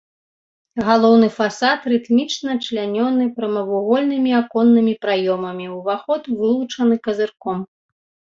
Галоўны фасад рытмічна члянёны прамавугольнымі аконнымі праёмамі, уваход вылучаны казырком.